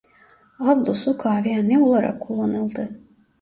Avlusu kahvehane olarak kullanıldı.